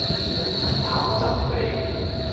執頭執尾